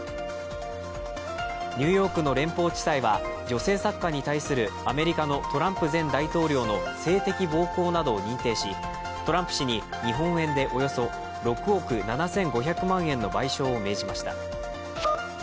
ニューヨークの連邦地裁は、女性作家に対するアメリカのトランプ前大統領の性的暴行などを認定しトランプ氏に日本円でおよそ６億７５００万円の賠償を命じました。